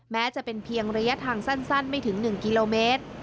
แม้จะเป็นเพียงระยะทางสั้นไม่ถึง๑กิโลเมตร